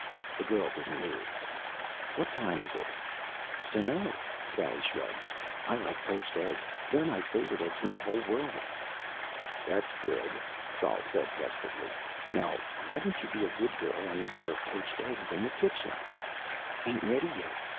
The girl didn't move. "What time is it?" "Dunno," Sally shrugged. "I like poached eggs. They're my favorite eggs in the whole world." "That's good," Sol said desperately. "Now why don't you be a good girl and eat your poached eggs. In the kitchen." "Ain't ready yet.